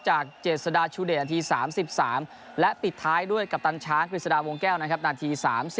เจษฎาชูเดชนาที๓๓และปิดท้ายด้วยกัปตันช้างกฤษฎาวงแก้วนะครับนาที๓๐